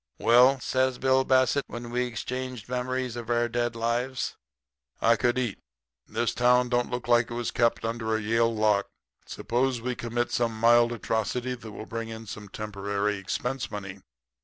"'Well,' says Bill Bassett, when we had exchanged memories of our dead lives, 'I could eat. This town don't look like it was kept under a Yale lock. Suppose we commit some mild atrocity that will bring in temporary expense money.